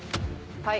はい。